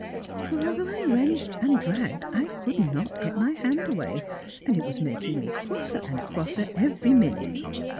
For although I wrenched and dragged I could not get my hand away, and it was making me crosser and crosser every minute.